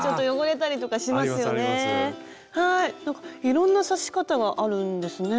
いろんな刺し方があるんですね。